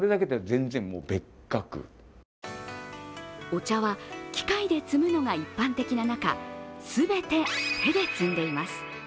お茶は機械でつむのが一般的な中全て手で摘んでいます。